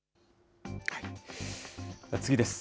次です。